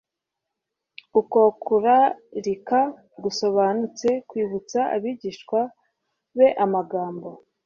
Uko kurarika gusobanutse kwibutsa abigishwa be amagambo